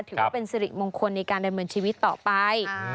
ถือว่าเป็นสิริมงคลในการดำเนินชีวิตต่อไป